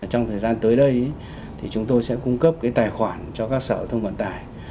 trong thời gian tới đây chúng tôi sẽ cung cấp tài khoản cho các sở thông quản tài